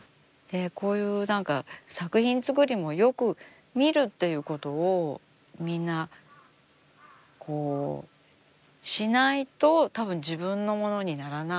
こういう何か作品作りもよく見るということをみんなしないとたぶん自分のものにならない